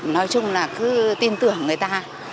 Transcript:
nói chung là cứ tin tưởng người ta